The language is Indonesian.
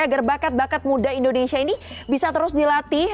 agar bakat bakat muda indonesia ini bisa terus dilatih